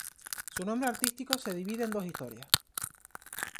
Su nombre artístico se divide en dos historias.